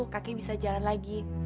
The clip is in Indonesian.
kakek bisa jalan lagi